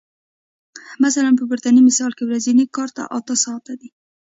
مثلاً په پورتني مثال کې ورځنی کار اته ساعته دی